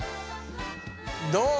どう？